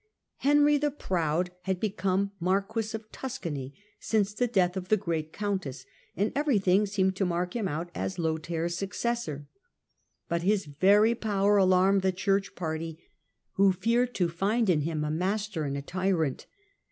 Henry the Proud had become Marquis of Tuscany since the death of the great Countess, and every thing seemed to mark him out as Lothair's successor. But his very power alarmed the Church party, who feared to find in him a master and a tyrant.